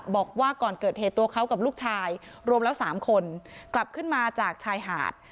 บอกว่าก่อนเกิดเหตุตัวเขากับลูกชายรวมแล้ว๓คนกลับขึ้นมาจากชายหาด